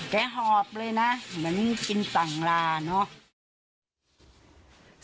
หอบเลยนะเหมือนกินสั่งลาเนอะ